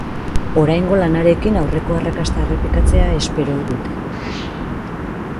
Oraingo lanarekin aurreko arrakasta errepikatzea espero dute.